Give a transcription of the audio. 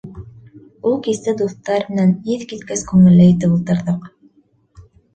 Ул кисте дуҫтар менән иҫ киткес күңелле итеп ултырҙыҡ.